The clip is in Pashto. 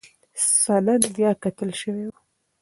سند بیاکتل شوی و.